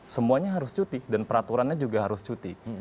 semuanya harus cuti dan peraturannya juga harus cuti